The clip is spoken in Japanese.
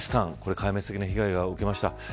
壊滅的な被害を受けました。